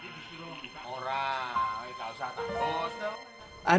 ini disuruh kita orang ini tak usah takut